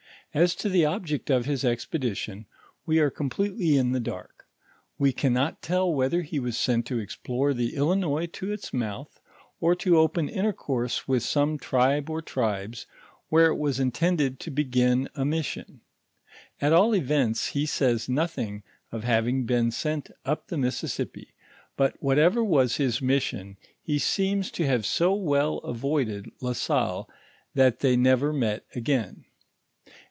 As to the object of his expedition, we are completely in the dark ; wo can not tell whether he was sent to explore the Illinois to its mouth, or to open intercourse with some tribe or tribes, where it was intended to begin a mission. At all events, he says nothing of having been sent up the Missiesippi ; but what ever was his mission, he seems to have so well avoided La Salle, that thoy never met again.